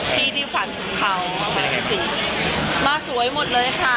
ที่ที่ฝันถึงเขามาสวยหมดเลยค่ะ